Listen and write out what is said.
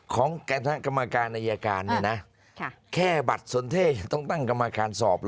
ของกรรมการอายการเนี่ยนะแค่บัตรสนเท่ต้องตั้งกรรมการสอบ